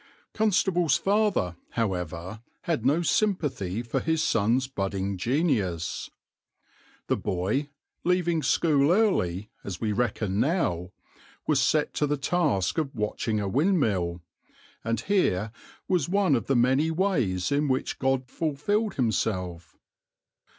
Constable's father, however, had no sympathy for his son's budding genius. The boy, leaving school early, as we reckon now, was set to the task of watching a windmill, and here was one of the many ways in which God fulfilled Himself.